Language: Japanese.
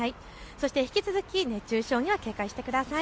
そして引き続き熱中症には警戒してください。